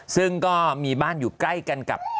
ซึ่งก็มีบ้านอยู่ใกล้กันกับ